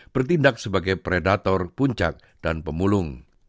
bertindak sebagai predator puncak dan pemulung